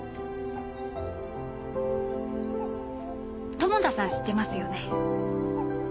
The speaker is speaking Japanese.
供田さん知ってますよね。